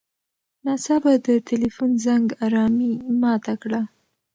ناڅاپه د تیلیفون زنګ ارامي ماته کړه.